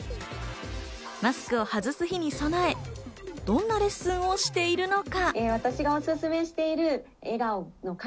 マスクを外す日に備え、どんなレッスンをしているのか？